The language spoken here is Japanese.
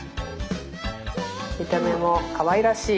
見た目もかわいらしい。